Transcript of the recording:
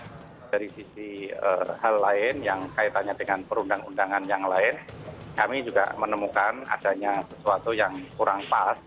nah dari sisi hal lain yang kaitannya dengan perundang undangan yang lain kami juga menemukan adanya sesuatu yang kurang pas